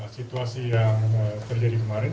situasi yang terjadi kemarin